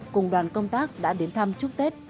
cùng đoàn công tác đã đến thăm chúc tết